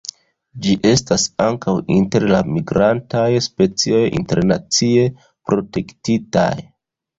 Ĝi estas ankaŭ inter la migrantaj specioj internacie protektitaj.